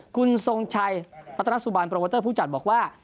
คุณทรงชัยรัตนสุบันโปรโมเตอร์ผู้จัดบอกว่า